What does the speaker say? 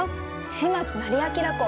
島津斉彬公。